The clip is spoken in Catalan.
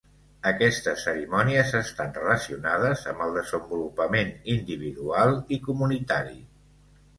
Aquestes cerimònies estan relacionades amb el desenvolupament individual i comunitari.